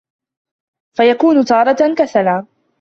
فَيَكُونُ تَارَةً كَسَلًا